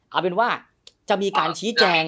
เอาเป็นว่าจะมีการชี้แจง